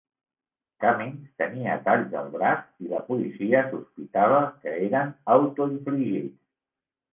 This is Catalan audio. Cummings tenia talls al braç, i la policia sospitava que eren autoinfligits.